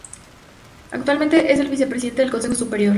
Actualmente es el Vicepresidente del Consejo Superior.